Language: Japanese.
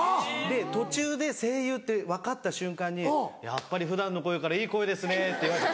途中で声優って分かった瞬間に「やっぱり普段の声からいい声ですね」って言われて。